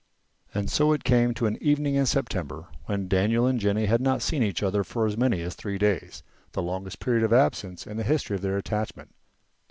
And so it came to an evening in September when Daniel and Jennie had not seen each other for as many as three days, the longest period of absence in the history of their attachment.